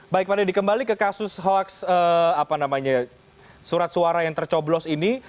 baik pak dedy kembali ke kasus hoaks surat suara yang tercoblos ini